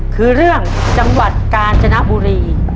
คือเรื่องจังหวัดกาญจนบุรี